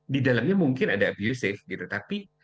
di dalamnya mungkin ada abusive gitu tapi